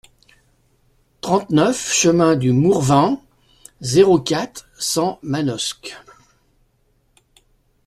trente-neuf chemin du Mourvenc, zéro quatre, cent Manosque